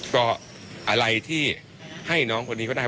ก็อะไรที่ให้น้องคนนี้ก็ได้